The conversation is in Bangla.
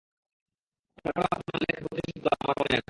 তারপরেও আপনার লেখা প্রতিটা শব্দ আপনার মনে আছে।